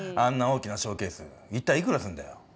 大きなショーケース一体いくらすんだよ。